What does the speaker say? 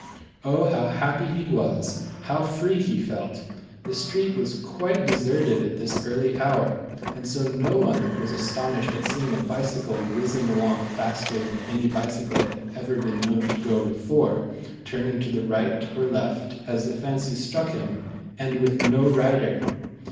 Oh, how happy he was, how free he felt. The street was quite deserted at this early hour, and so no one was astonished at seeing a bicycle whizzing along faster than any bicycle had ever been known to go before, turning to the right or left, as the fancy struck him, and with no rider